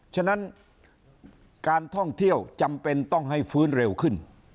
ฉะนั้นการท่องเที่ยวจำเป็นต้องให้ฟื้นเร็วขึ้น